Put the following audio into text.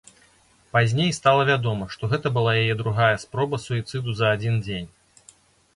Пазней стала вядома, што гэта была яе другая спроба суіцыду за адзін дзень.